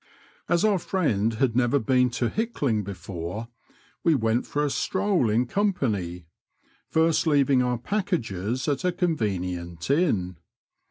As our friend had never been to Hickling before, we went for a stroll in company, first leaving our packages at a convenient inn.